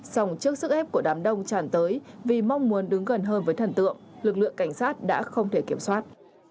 sòng trước sức ép của đám đông tràn tới vì mong muốn đứng gần hơn với thần tượng lực lượng cảnh sát đã không thể kiểm soát